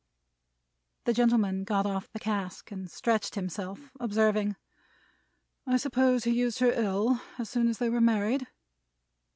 The gentleman got off the cask, and stretched himself, observing: "I suppose he used her ill, as soon as they were married?"